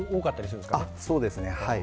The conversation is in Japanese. そうですね、はい。